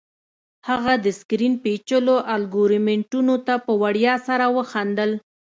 هغه د سکرین پیچلو الګوریتمونو ته په ویاړ سره وخندل